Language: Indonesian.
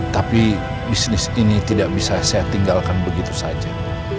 tapi bisnis ini tidak bisa saya tinggalkan begitu saja